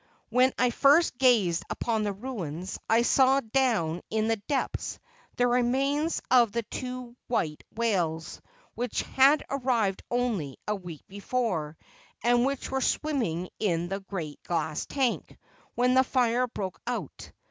When I first gazed upon the ruins, I saw, down in the depths, the remains of the two white whales, which had arrived only a week before, and which were swimming in the great glass tank when the fire broke out.